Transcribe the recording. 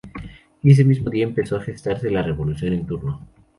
Y ese mismo día empezó a gestarse la revolución en turno.